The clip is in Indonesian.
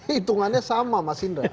hitungannya sama mas indra